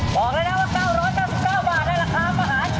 บอกแล้วนะว่า๙๙๙บาทได้ราคามหาชน